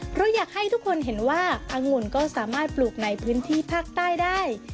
เพราะอยากให้ทุกคนเห็นว่าอังุ่นก็สามารถปลูกในพื้นที่ภาคใต้ได้